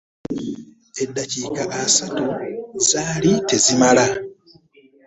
Eddakiika asatu zaali tezimmala.